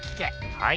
はい。